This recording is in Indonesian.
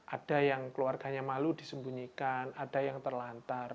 ada yang keluarganya malu disembunyikan ada yang terlantar